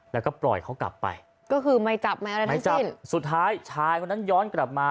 แล้วก็ปล่อยเขากลับไปก็คือไม่จับไม่อะไรทั้งสิ้นสุดท้ายชายคนนั้นย้อนกลับมา